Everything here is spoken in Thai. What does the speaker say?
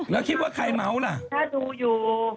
แล้วคิดว่าใครเมาส์ล่ะถ้าดูอยู่